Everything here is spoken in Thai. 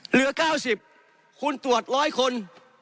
เหลือ๙๐คุณตรวจ๑๐๐คน